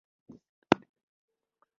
زه روان شوم او د خپلې ډلګۍ خواته ورغلم